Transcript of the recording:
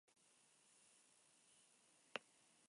Los días claros se puede vislumbrar Menorca.